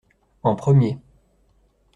En premier.